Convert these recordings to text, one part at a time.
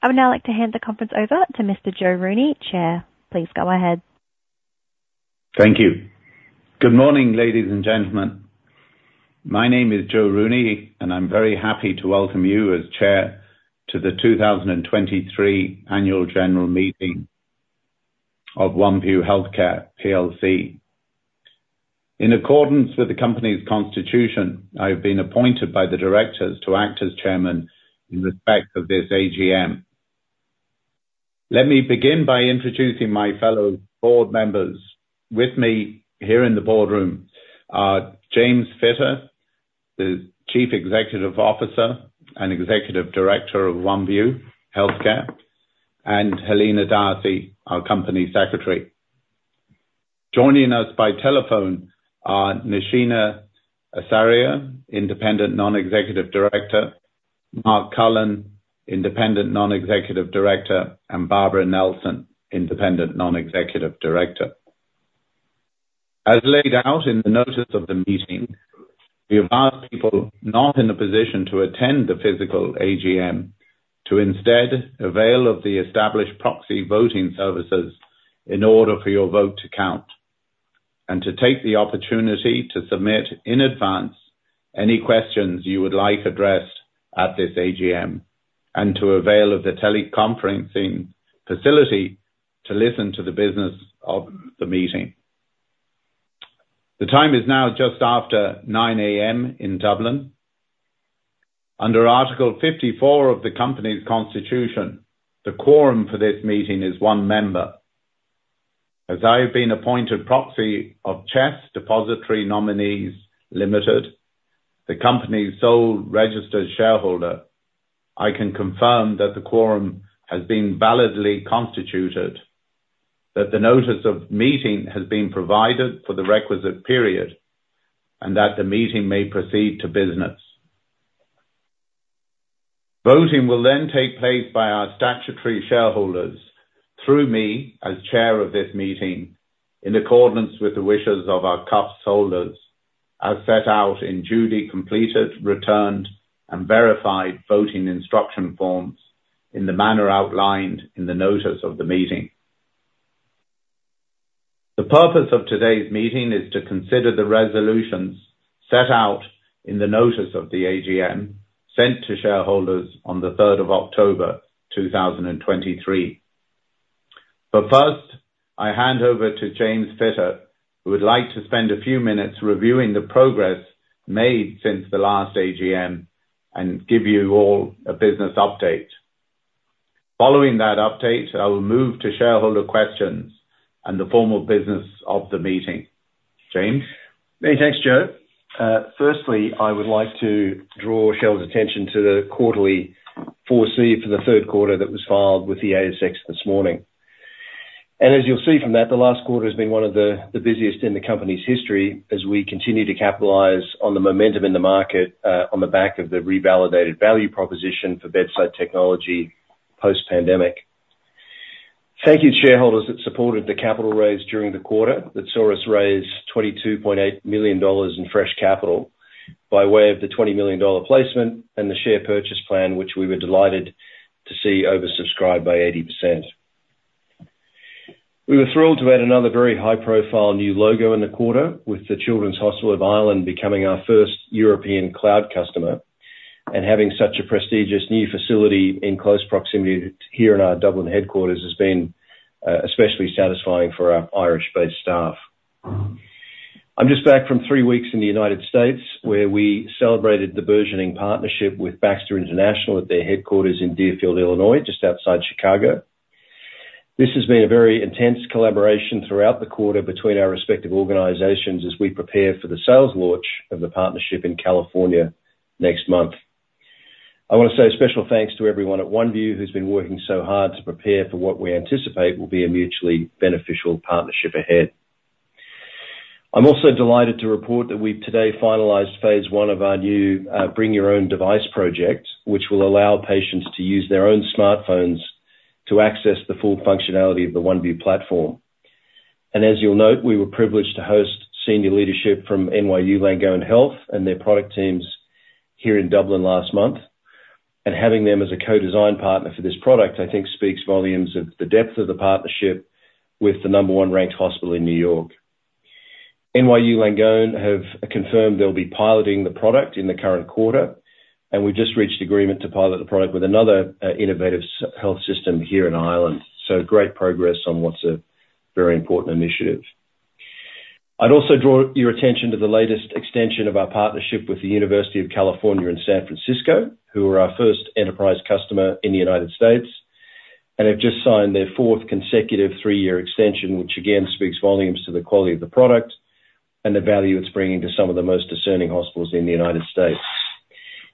I would now like to hand the conference over to Mr. Joe Rooney, Chair. Please go ahead. Thank you. Good morning, ladies and gentlemen. My name is Joe Rooney, and I'm very happy to welcome you as chair to the 2023 Annual General Meeting of Oneview Healthcare PLC. In accordance with the company's constitution, I've been appointed by the directors to act as chairman in respect of this AGM. Let me begin by introducing my fellow board members. With me here in the boardroom are James Fitter, the Chief Executive Officer and Executive Director of Oneview Healthcare, and Helena D'Arcy, our Company Secretary. Joining us by telephone are Nashina Asaria, Independent Non-Executive Director, Marc Cullen, Independent Non-Executive Director, and Barbara Nelson, Independent Non-Executive Director. As laid out in the notice of the meeting, we have asked people not in a position to attend the physical AGM to instead avail of the established proxy voting services in order for your vote to count, and to take the opportunity to submit, in advance, any questions you would like addressed at this AGM, and to avail of the teleconferencing facility to listen to the business of the meeting. The time is now just after 9 A.M. in Dublin. Under Article 54 of the company's constitution, the quorum for this meeting is one member. As I have been appointed proxy of CHESS Depositary Nominees Pty Limited, the company's sole registered shareholder, I can confirm that the quorum has been validly constituted, that the notice of meeting has been provided for the requisite period, and that the meeting may proceed to business. Voting will then take place by our statutory shareholders through me, as chair of this meeting, in accordance with the wishes of our CDI holders, as set out in duly completed, returned, and verified voting instruction forms in the manner outlined in the notice of the meeting. The purpose of today's meeting is to consider the resolutions set out in the notice of the AGM, sent to shareholders on the third of October, two thousand and twenty-three. But first, I hand over to James Fitter, who would like to spend a few minutes reviewing the progress made since the last AGM and give you all a business update. Following that update, I will move to shareholder questions and the formal business of the meeting. James? Many thanks, Joe. Firstly, I would like to draw shareholders' attention to the quarterly for the third quarter that was filed with the ASX this morning. As you'll see from that, the last quarter has been one of the busiest in the company's history as we continue to capitalize on the momentum in the market, on the back of the revalidated value proposition for bedside technology post-pandemic. Thank you to shareholders that supported the capital raise during the quarter, that saw us raise 22.8 million dollars in fresh capital by way of the 20 million dollar placement and the share purchase plan, which we were delighted to see oversubscribed by 80%. We were thrilled to add another very high-profile new logo in the quarter, with the Children's Health Ireland becoming our first European cloud customer, and having such a prestigious new facility in close proximity here in our Dublin headquarters has been especially satisfying for our Irish-based staff. I'm just back from three weeks in the United States, where we celebrated the burgeoning partnership with Baxter International at their headquarters in Deerfield, Illinois, just outside Chicago. This has been a very intense collaboration throughout the quarter between our respective organizations, as we prepare for the sales launch of the partnership in California next month. I wanna say a special thanks to everyone at Oneview who's been working so hard to prepare for what we anticipate will be a mutually beneficial partnership ahead. I'm also delighted to report that we've today finalized phase one of our new Bring Your Own Device project, which will allow patients to use their own smartphones to access the full functionality of the Oneview platform. As you'll note, we were privileged to host senior leadership from NYU Langone Health and their product teams here in Dublin last month, and having them as a co-design partner for this product, I think speaks volumes of the depth of the partnership with the number one ranked hospital in New York. NYU Langone have confirmed they'll be piloting the product in the current quarter, and we've just reached agreement to pilot the product with another innovative health system here in Ireland. Great progress on what's a very important initiative. I'd also draw your attention to the latest extension of our partnership with the University of California, San Francisco, who are our first enterprise customer in the United States, and have just signed their fourth consecutive 3-year extension, which again speaks volumes to the quality of the product and the value it's bringing to some of the most discerning hospitals in the United States.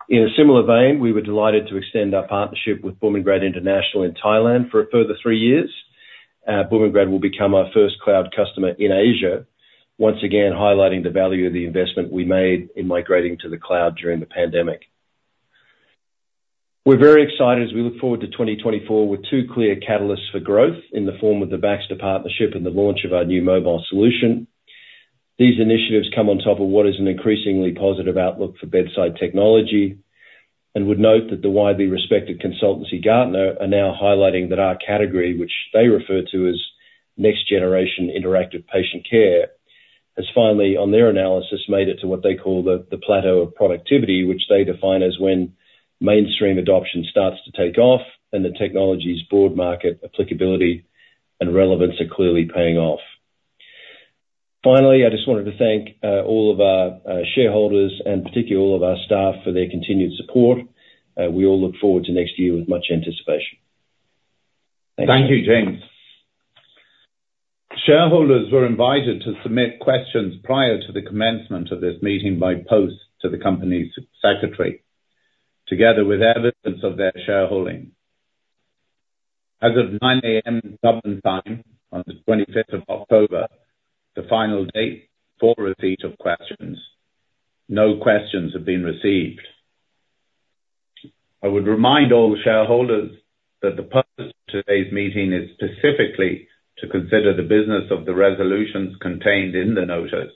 In a similar vein, we were delighted to extend our partnership with Bumrungrad International in Thailand for a further 3 years. Bumrungrad will become our first cloud customer in Asia, once again, highlighting the value of the investment we made in migrating to the cloud during the pandemic. We're very excited as we look forward to 2024 with two clear catalysts for growth in the form of the Baxter partnership and the launch of our new mobile solution.... These initiatives come on top of what is an increasingly positive outlook for bedside technology, and would note that the widely respected consultancy, Gartner, are now highlighting that our category, which they refer to as next-generation interactive patient care, has finally, on their analysis, made it to what they call the Plateau of Productivity, which they define as when mainstream adoption starts to take off and the technology's broad market applicability and relevance are clearly paying off. Finally, I just wanted to thank all of our shareholders and particularly all of our staff for their continued support. We all look forward to next year with much anticipation. Thank you. Thank you, James. Shareholders were invited to submit questions prior to the commencement of this meeting by post to the company's secretary, together with evidence of their shareholding. As of 9:00 A.M., Dublin time, on the twenty-fifth of October, the final date for receipt of questions, no questions have been received. I would remind all shareholders that the purpose of today's meeting is specifically to consider the business of the resolutions contained in the notice,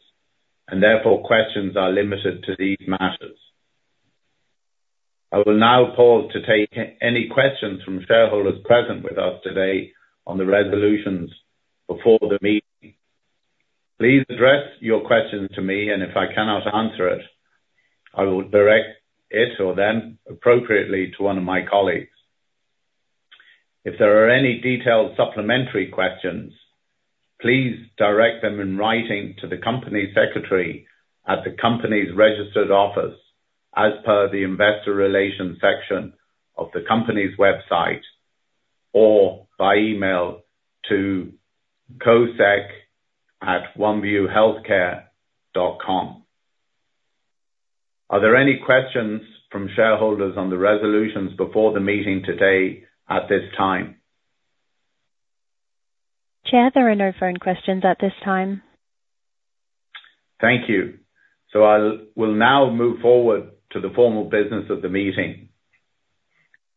and therefore questions are limited to these matters. I will now pause to take any questions from shareholders present with us today on the resolutions before the meeting. Please address your questions to me, and if I cannot answer it, I will direct it or them appropriately to one of my colleagues. If there are any detailed supplementary questions, please direct them in writing to the company secretary at the company's registered office, as per the investor relations section of the company's website or by email to cosec@oneviewhealthcare.com. Are there any questions from shareholders on the resolutions before the meeting today at this time? Chair, there are no phone questions at this time. Thank you. So we'll now move forward to the formal business of the meeting.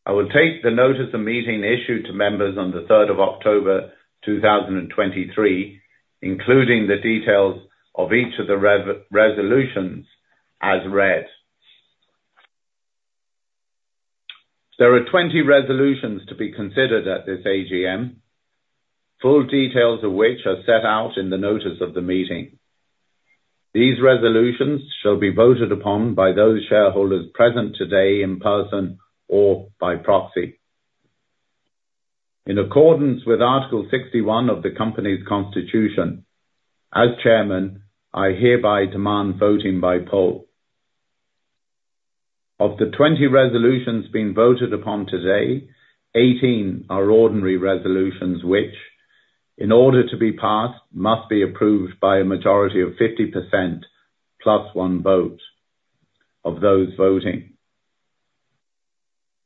I will take the notice of meeting issued to members on the third of October, two thousand and twenty-three, including the details of each of the resolutions, as read. There are 20 resolutions to be considered at this AGM, full details of which are set out in the notice of the meeting. These resolutions shall be voted upon by those shareholders present today in person or by proxy. In accordance with Article 61 of the company's constitution, as chairman, I hereby demand voting by poll. Of the 20 resolutions being voted upon today, 18 are ordinary resolutions, which, in order to be passed, must be approved by a majority of 50% plus one vote of those voting.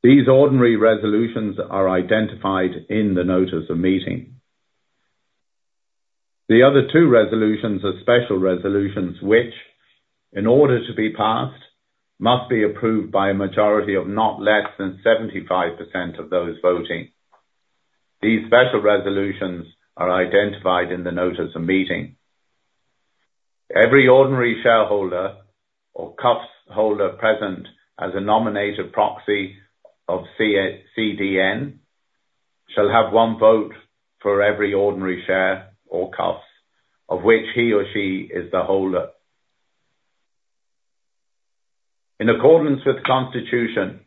These ordinary resolutions are identified in the notice of meeting. The other two resolutions are special resolutions, which, in order to be passed, must be approved by a majority of not less than 75% of those voting. These special resolutions are identified in the notice of meeting. Every ordinary shareholder or CDI holder present as a nominated proxy of CHESS Depositary Nominees Pty Limited, shall have one vote for every ordinary share or CDI of which he or she is the holder. In accordance with the constitution,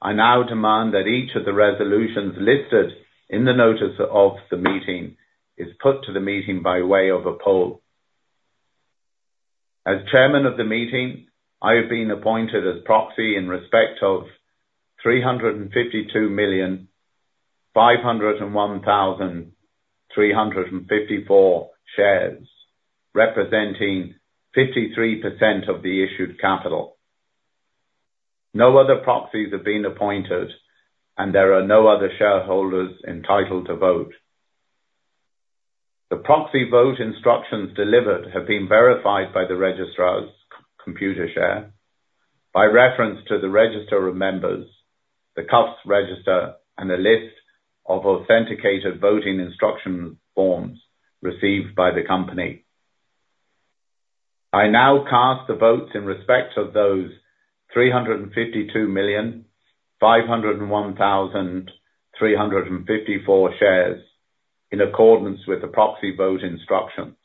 I now demand that each of the resolutions listed in the notice of the meeting is put to the meeting by way of a poll. As chairman of the meeting, I have been appointed as proxy in respect of 352,501,354 shares, representing 53% of the issued capital. No other proxies have been appointed, and there are no other shareholders entitled to vote. The proxy vote instructions delivered have been verified by the registrar's Computershare, by reference to the register of members, the CDI register, and a list of authenticated voting instruction forms received by the company. I now cast the votes in respect of those 352,501,354 shares in accordance with the proxy vote instructions.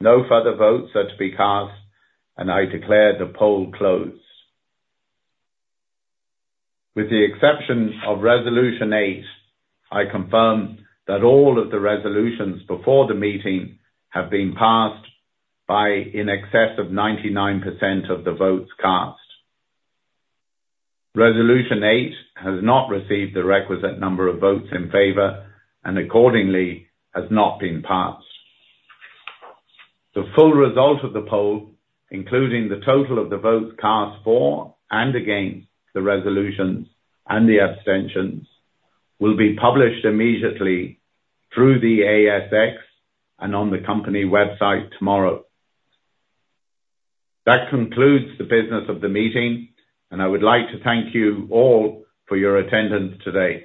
No further votes are to be cast, and I declare the poll closed. With the exception of Resolution 8, I confirm that all of the resolutions before the meeting have been passed by in excess of 99% of the votes cast. Resolution 8 has not received the requisite number of votes in favor and accordingly, has not been passed. The full result of the poll, including the total of the votes cast for and against the resolutions and the abstentions, will be published immediately through the ASX and on the company website tomorrow. That concludes the business of the meeting, and I would like to thank you all for your attendance today.